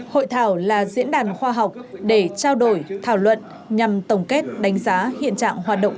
hội thảo là diễn đàn khoa học để trao đổi thảo luận nhằm tổng kết đánh giá hiện trạng hoạt động